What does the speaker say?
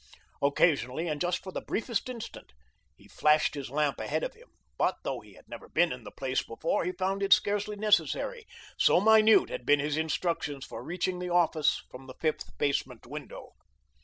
Occasionally, and just for the briefest instant, he flashed his lamp ahead of him, but though he had never been in the place before he found it scarcely necessary, so minute had been his instructions for reaching the office from the fifth basement window.